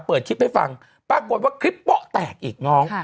เปิดคลิปให้ฟังปรากฏว่าคลิปโป๊ะแตกอีกน้อง